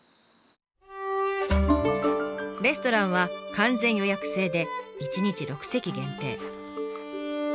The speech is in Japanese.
レストランは完全予約制で一日６席限定。